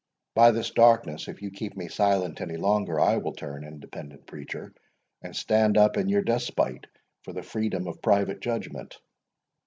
By this darkness, if you keep me silent any longer, I will turn Independent preacher, and stand up in your despite for the freedom of private judgment.